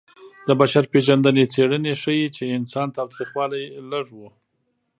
د بشر پېژندنې څېړنې ښيي چې انساني تاوتریخوالی لږ و.